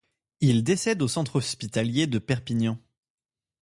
Il décède au Centre Hospitalier de Perpignan.